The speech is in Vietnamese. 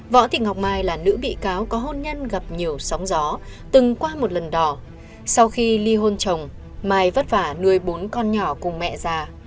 võ thị ngọc mai là nữ bị cáo có hôn nhân gặp nhiều sóng gió từng qua một lần đò sau khi ly hôn trồng mai vất vả nuôi bốn con nhỏ cùng mẹ già